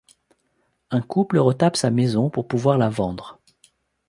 Un couple retape sa maison pour pouvoir la vendre.